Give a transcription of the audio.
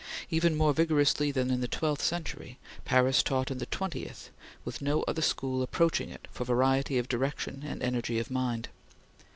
Even more vigorously than in the twelfth century, Paris taught in the twentieth, with no other school approaching it for variety of direction and energy of mind.